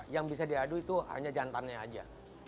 yang bisa diadu itu hanya jantannya aja